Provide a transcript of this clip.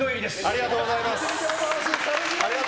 ありがとうございます。